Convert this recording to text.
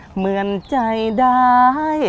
เหมือนใจดาย